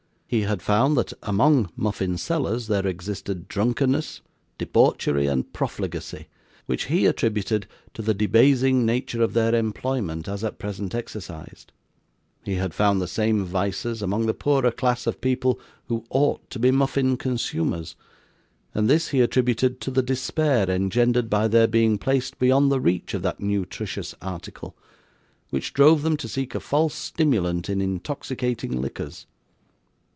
He had found that among muffin sellers there existed drunkenness, debauchery, and profligacy, which he attributed to the debasing nature of their employment as at present exercised; he had found the same vices among the poorer class of people who ought to be muffin consumers; and this he attributed to the despair engendered by their being placed beyond the reach of that nutritious article, which drove them to seek a false stimulant in intoxicating liquors.